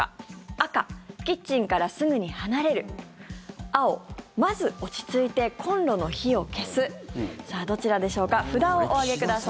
赤、キッチンからすぐに離れる青、まず落ち着いてコンロの火を消すさあ、どちらでしょうか札をお上げください。